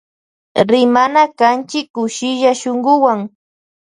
Rimana kanchi kushilla shunkuwan.